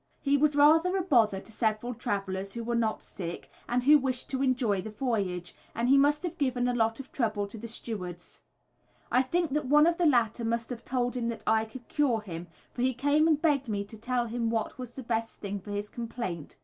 He was rather a bother to several travellers who were not sick, and who wished to enjoy the voyage, and he must have given a lot of trouble to the stewards. I think that one of the latter must have told him that I could cure him, for he came and begged me to tell him what was the best thing for his complaint.